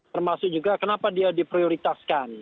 termasuk juga kenapa dia diprioritaskan